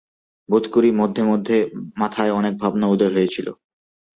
বোধ করি মধ্যে মধ্যে মাথায় অনেক ভাবনা উদয় হইয়াছিল।